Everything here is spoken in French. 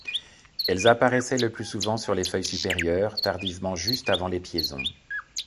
Elles apparaissent le plus souvent sur les feuilles supérieures, tardivement juste avant l'épiaison.